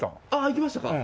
行きましたか。